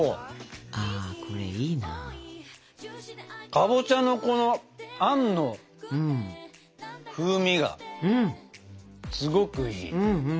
かぼちゃのこのあんの風味がすごくいい。